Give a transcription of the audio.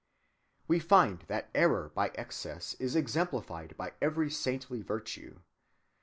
We find that error by excess is exemplified by every saintly virtue.